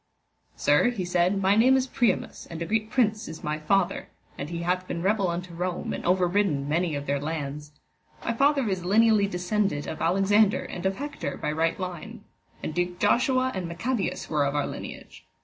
Sir, he said, my name is Priamus, and a great prince is my father, and he hath been rebel unto Rome and overridden many of their lands. My father is lineally descended of Alexander and of Hector by right line. And Duke Joshua and Maccabaeus were of our lineage.